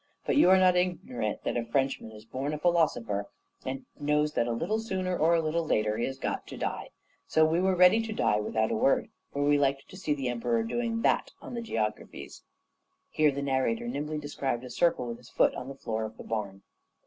But you are not ignorant that a Frenchman is born a philosopher, and knows that a little sooner, or a little later, he has got to die. So we were ready to die without a word, for we liked to see the Emperor doing that on the geographies." Here the narrator nimbly described a circle with his foot on the floor of the barn.